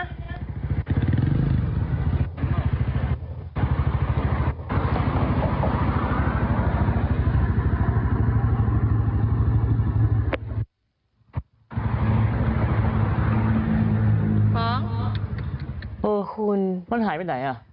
เออคุณมันหายไปไหนอ่ะ